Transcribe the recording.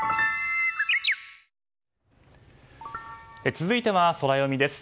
続いてはソラよみです。